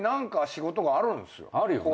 あるよね。